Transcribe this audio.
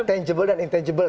tangible dan intangible